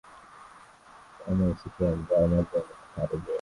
kama misitu ya mvua ya Amazon inakaribia